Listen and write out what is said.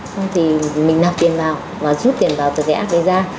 xong thì mình nạp tiền vào và rút tiền vào từ cái app đấy ra